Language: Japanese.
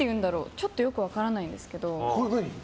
ちょっとよく分からないんですけど。